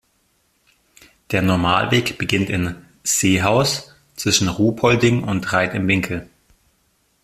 Der Normalweg beginnt in "Seehaus" zwischen Ruhpolding und Reit im Winkl.